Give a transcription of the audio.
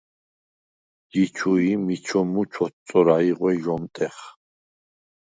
ჯი ჩუ ი მიჩომუ ჩოთწორა ი ღვე ჟ’ომტეხ.